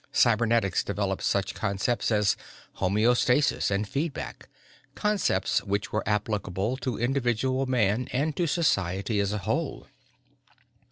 "Cybernetics developed such concepts as homeostasis and feedback, concepts which were applicable to individual man and to society as a whole.